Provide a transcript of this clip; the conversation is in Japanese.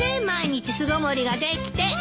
毎日巣ごもりができて。